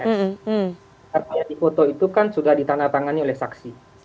data yang difoto itu kan sudah ditandatangani oleh saksi